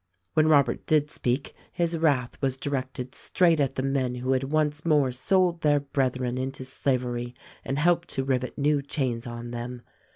When Robert did speak his wrath was directed straight at the men who had once more sold their brethren into slavery and helped to rivet new chains on them.